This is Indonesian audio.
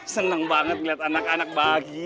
seneng banget ngeliat anak anak bahagia